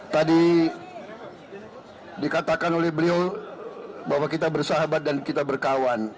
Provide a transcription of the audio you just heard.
tadi dikatakan oleh beliau bahwa kita bersahabat dan kita berkawan